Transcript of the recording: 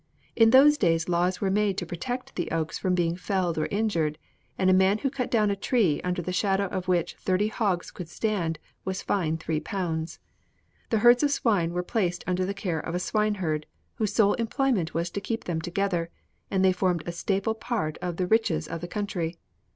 In those days laws were made to protect the oaks from being felled or injured, and a man who cut down a tree under the shadow of which thirty hogs could stand was fined three pounds. The herds of swine were placed under the care of a swineherd, whose sole employment was to keep them together, and they formed a staple part of the riches of the country.